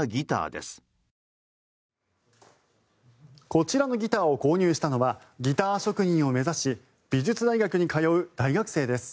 こちらのギターを購入したのはギター職人を目指し美術大学に通う大学生です。